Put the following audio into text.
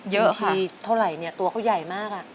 เยอะค่ะบางทีเท่าไหร่เนี่ยตัวเขาใหญ่มากอ่ะ